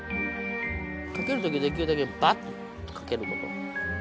かける時できるだけばっとかけること。